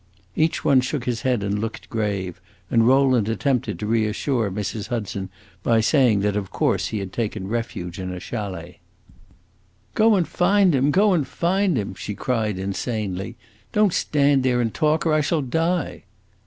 Each one shook his head and looked grave, and Rowland attempted to reassure Mrs. Hudson by saying that of course he had taken refuge in a chalet. "Go and find him, go and find him!" she cried, insanely. "Don't stand there and talk, or I shall die!"